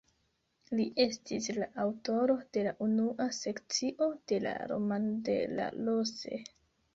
Li estis la aŭtoro de la unua sekcio de la "Roman de la Rose".